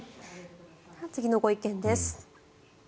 次のご意見です。